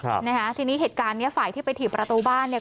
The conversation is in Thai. ครับนะฮะทีนี้เหตุการณ์เนี้ยฝ่ายที่ไปถีบประตูบ้านเนี้ย